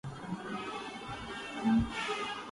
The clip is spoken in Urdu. وائرس کے متعلق ایک خیال یہ بھی ہے کہ یہ کسی جانور سے شروع ہوا